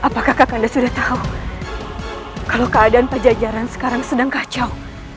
bahwa keadaan pajajaran sekarang sedang kacau